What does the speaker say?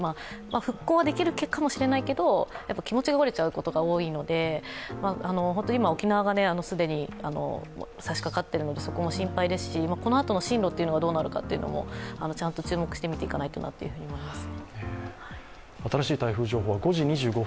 復興はできるかもしれないけど、気持ちが折れちゃうことが多いので今、沖縄が既に差しかかっているので、そこも心配ですし、このあとの進路が、どうなるかも注目して見ていかなければならないと思います。